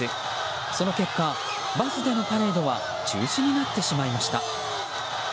その結果、バスでのパレードは中止になってしまいました。